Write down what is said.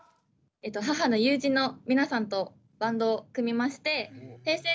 母の友人の皆さんとバンドを組みましてＨｅｙ！